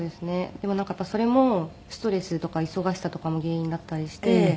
でもなんかやっぱりそれもストレスとか忙しさとかも原因だったりして。